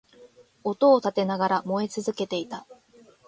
音を立てながら燃え続けていた